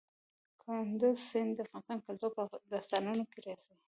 کندز سیند د افغان کلتور په داستانونو کې راځي.